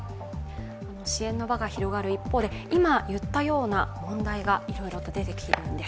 支援の輪が広がる一方で、今言ったような問題がいろいろと出てきているんです。